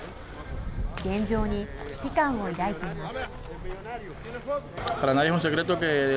現状に危機感を抱いています。